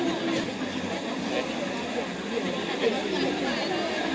แม่แม่แม่สวยมาก